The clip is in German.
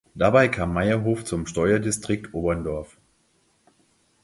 Dabei kam Maierhof zum Steuerdistrikt Oberndorf.